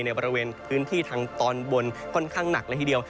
ในบริเวณพื้นที่ทางตอนบนค่อนข้างหนักเลยทีเดียว